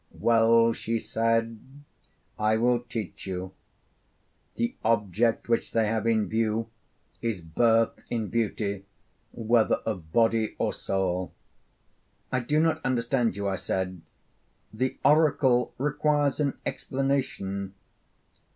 'Well,' she said, 'I will teach you: The object which they have in view is birth in beauty, whether of body or soul.' 'I do not understand you,' I said; 'the oracle requires an explanation.'